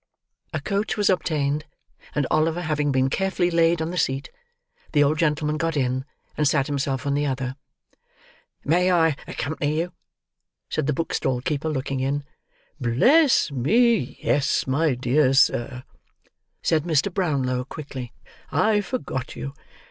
A coach was obtained, and Oliver having been carefully laid on the seat, the old gentleman got in and sat himself on the other. "May I accompany you?" said the book stall keeper, looking in. "Bless me, yes, my dear sir," said Mr. Brownlow quickly. "I forgot you.